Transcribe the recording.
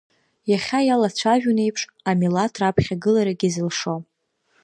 Иахьа иалацәажәон еиԥш, амилаҭ раԥхьагыларагьы зылшо.